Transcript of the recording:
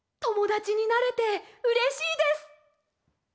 ともだちになれてうれしいです！